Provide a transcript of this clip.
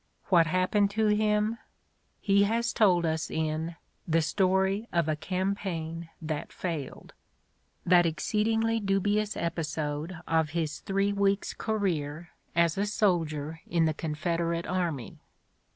What happened to him? He has told us in "The Story of a Campaign That Failed," that ex ceedingly dubious episode of his three weeks' career as a soldier in the Confederate Army.